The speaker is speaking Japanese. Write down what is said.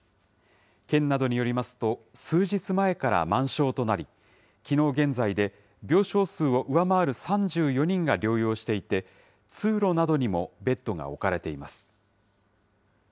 県などによりますと、数日前から満床となり、きのう現在で、病床数を上回る３４人が療養していて、通路などにもベッドが置かれています。